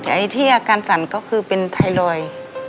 ไอ้ที่อาการสั่นก็คือเป็นไทรอยด์